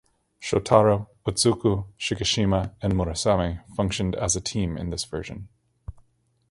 Shotaro, Otsuka, Shikishima and Murasame functioned as a team in this version.